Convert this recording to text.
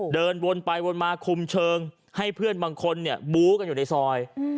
เดินวนไปวนมาคุมเชิงให้เพื่อนบางคนเนี่ยบู้กันอยู่ในซอย